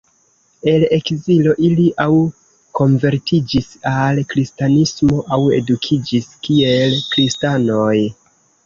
En ekzilo ili aŭ konvertiĝis al kristanismo aŭ edukiĝis kiel kristanoj.